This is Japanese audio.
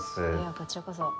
こちらこそです。